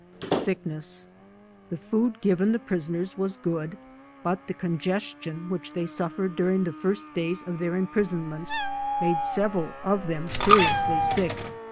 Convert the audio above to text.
Sickness The food given the prisoners was good, but the con gestion which they suffered during the first days of their imprisonment, made several of them seriously sick.